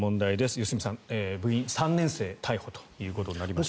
良純さん、部員３年生逮捕ということになりました。